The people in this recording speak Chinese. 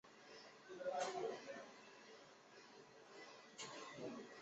参加长征。